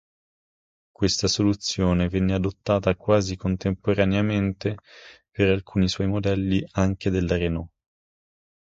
Questa soluzione venne adottata quasi contemporaneamente per alcuni suoi modelli anche dalla Renault.